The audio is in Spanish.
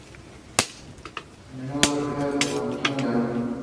Es a menudo referido a tan por su personal y alumnado.